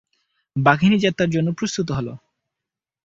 বাহিনী যাত্রার জন্য প্রস্তুত হলো।